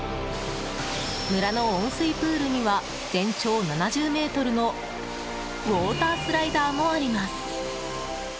村の温水プールには全長７０ｍのウォータースライダーもあります。